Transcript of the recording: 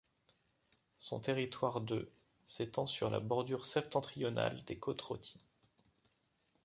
Son territoire de s'étend sur la bordure septentrionale des côtes-rôties.